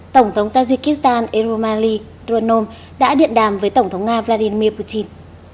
tổng thống tajikistan erumali dronom đã điện đàm với tổng thống nga vladimir putin